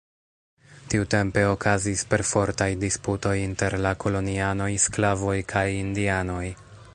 Tiutempe okazis perfortaj disputoj inter la kolonianoj, sklavoj, kaj indianoj.